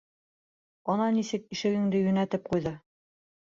Ана нисек ишегеңде йүнәтеп ҡуйҙы.